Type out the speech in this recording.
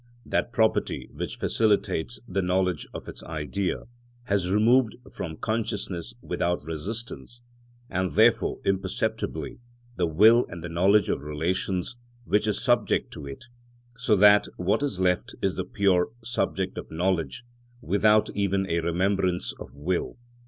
_, that property which facilitates the knowledge of its Idea, has removed from consciousness without resistance, and therefore imperceptibly, the will and the knowledge of relations which is subject to it, so that what is left is the pure subject of knowledge without even a remembrance of will.